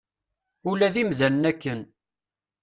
Ula d imdanen akken.